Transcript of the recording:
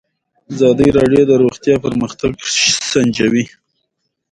ازادي راډیو د روغتیا پرمختګ سنجولی.